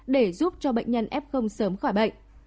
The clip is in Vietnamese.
để giúp cho bệnh nhân f sớm khỏi bệnh